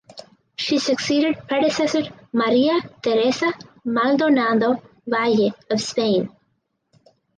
She succeeded predecessor Maria Teresa Maldonado Valle of Spain.